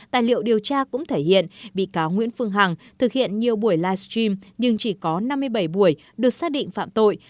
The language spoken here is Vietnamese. tài liệu điều tra cũng thể hiện bị cáo nguyễn phương hằng thực hiện nhiều buổi livestream nhưng chỉ có năm mươi bảy buổi được xác định phạm tội